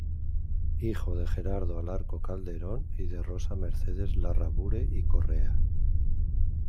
Hijo de Gerardo Alarco Calderón y de Rosa Mercedes Larrabure y Correa.